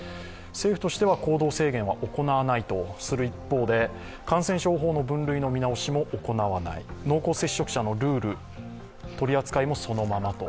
政府としては行動制限は行わないとする一方で感染症法の分類の見直しも行わない、濃厚接触者のルール、取り扱いもそのままと。